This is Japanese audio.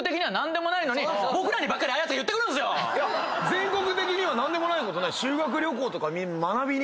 全国的には何でもないことない。